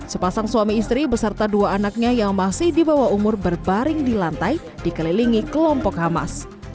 sepasang suami istri beserta dua anaknya yang masih di bawah umur berbaring di lantai dikelilingi kelompok hamas